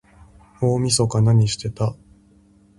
大晦日なにしてた？